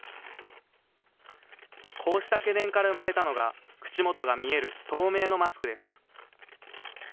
こうした懸念から生まれたのが、口元が見える透明のマスクです。